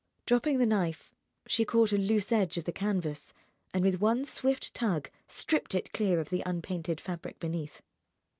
Dropping the knife, she caught a loose edge of the canvas and with one swift tug stripped it clear of the unpainted fabric beneath.